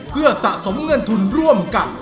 เพื่อสะสมเงินทุนร่วมกัน